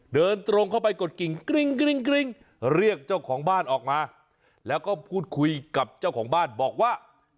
เดินตรงเข้าไปกดกิ่งกริ้งกริ้งกริ้งเรียกเจ้าของบ้านออกมาแล้วก็พูดคุยกับเจ้าของบ้านบอกว่า